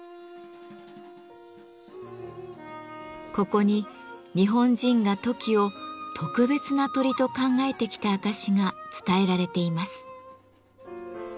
ここに日本人がトキを特別な鳥と考えてきた証しが伝えられています。